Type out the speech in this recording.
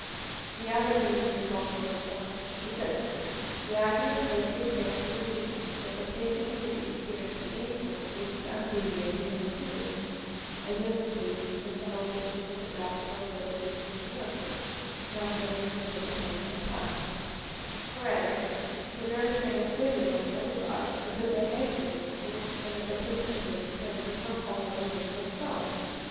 The other seemingly vulnerable point is this. The argument has the appearance of assuming that the testimony of experience against miracles is undeviating and indubitable, as it would be if the whole question was about the probability of future miracles, none having taken place in the past ; whereas the very thing asserted on the other side is that there have been miracles, and that the testimony of experience is not wholly on the negative side.